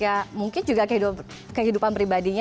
ya mungkin juga kehidupan pribadinya